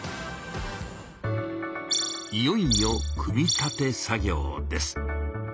いよいよ「組み立て」作業です。